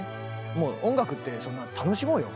もう音楽って楽しもうよ！